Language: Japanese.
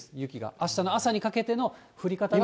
あしたの朝にかけての降り方が。